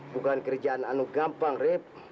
bukan kerjaan anu gampang rip